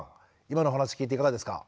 今のお話聞いていかがですか？